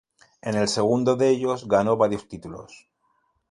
En el segundo de ellos, ganó varios títulos.